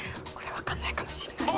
「分かんないかもしれない」を。